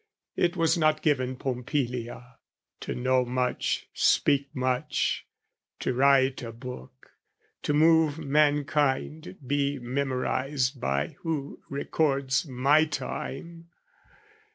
It was not given Pompilia to know much, Speak much, to write a book, to move mankind, Be memorised by who records my time.